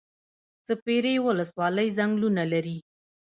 سپیرې ولسوالۍ ځنګلونه لري؟